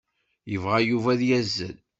Yebɣa Yuba ad yazzel.